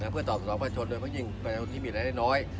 เพื่อตอบสินค้าผู้ชนโดยมันยิ่งเป็นคนที่มีอะไรน้อย